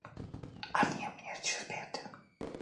콩을 발효해 만든 된장을 기본양념으로 하는 한식에는 깊은 맛이 있습니다.